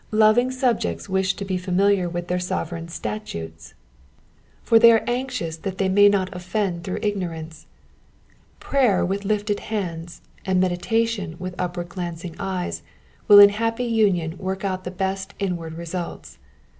Loving subjects wish ta be familiar. Digitized by VjOOQIC 118 EXPOSITIONS OF THE PSALMS. with their sovereign's statutes, for they are anxious, that they may not offend through ignorance. Prayer with lifted hands, and meditation with upward glancing eyes will in happy union work out the best inward results.